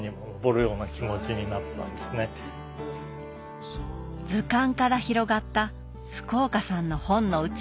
というもう図鑑から広がった福岡さんの本の宇宙。